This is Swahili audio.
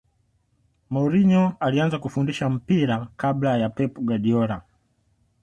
mourinho alianza kufundisha mpira kabla ya pep guardiola